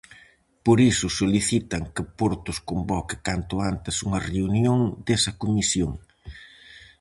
Por iso solicitan que portos convoque canto antes unha reunión desa comisión.